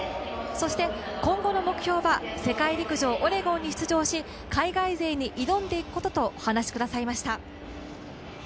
そして今後の目標は世界陸上オレゴンに出場し海外勢に挑んでいくこととお話しくださいました。